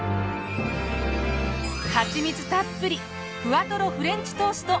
はちみつたっぷりふわとろフレンチトースト！